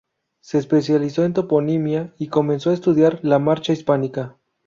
Se especializó en toponimia y comenzó a estudiar la Marca Hispánica.